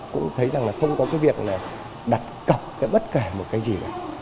cũng thấy rằng không có việc đặt cọc bất kể một cái gì